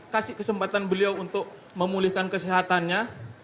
kasih kesempatan beliau untuk memulihkan kesehatannya